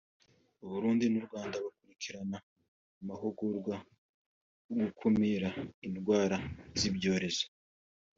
Burundi n’u Rwanda bakurikirana amahugurwa ku gukumira indwara z’ibyorezo